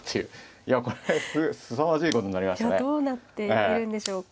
いやどうなっているんでしょうか。